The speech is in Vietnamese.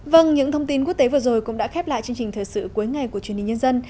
vâng những thông tin quốc tế vừa rồi cũng đã khép lại chương trình thời sự cuối ngày của truyền hình nhân dân